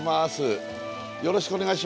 よろしくお願いします。